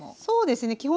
そうですね